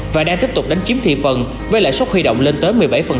và đang tiếp tục đánh chiếm thị phần với lãi suất huy động lên tới một mươi bảy